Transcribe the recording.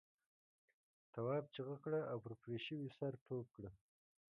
تواب چیغه کړه او پر پرې شوي سر ټوپ کړ.